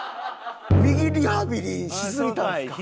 右リハビリしすぎたんですか？